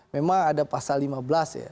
memang ada pasal lima belas ya